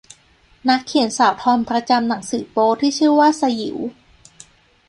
นักเขียนสาวทอมประจำหนังสือโป๊ที่ชื่อว่าสยิว